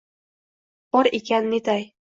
Bor ekan, netay